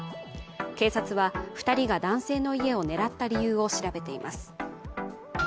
警察は、２人が男性の家を狙った理由を調べています。